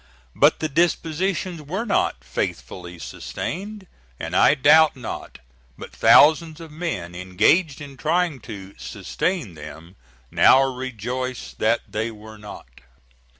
But the dispositions were not "faithfully sustained," and I doubt not but thousands of men engaged in trying to "sustain" them now rejoice that they were not.